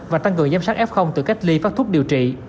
và tăng cường giám sát f từ cách ly phát thuốc điều trị